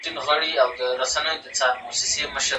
خپلي زده کړې په مینه ترسره کوه.